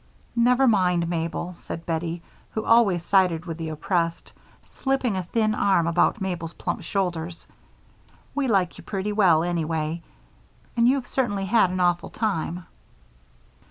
"Never mind, Mabel," said Bettie, who always sided with the oppressed, slipping a thin arm about Mabel's plump shoulders. "We like you pretty well, anyway, and you've certainly had an awful time."